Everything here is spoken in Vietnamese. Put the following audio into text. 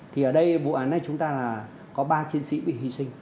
thì ở đây vụ án này chúng ta là có ba chiến sĩ bị hy sinh